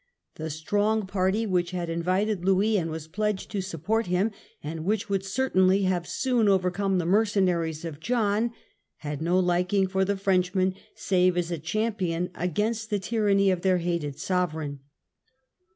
The strong party which had invited Louis, and was pledged to support England at him, and which would certainly have soon John •• death, overcome the mercenaries of John, had no liking for the Frenchman save as a champion against the tyranny of their hated sovereign.